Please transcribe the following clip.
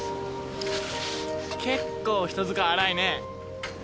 結構人使い荒いね。